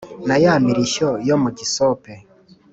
na ya mirishyo yo mu gisope